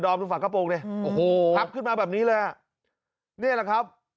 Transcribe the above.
ดอมทุกฝั่งกระโปรงนี่โอ้โหขับขึ้นมาแบบนี้เลยนี่แหละครับ